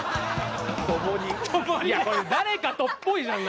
いやこれ誰かとっぽいじゃん！